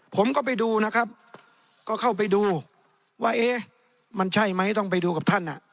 ผมก็ไปดูนะครับก็เข้าไปดูว่าเอ๊ะมันใช่ไหมต้องไปดูกับท่าน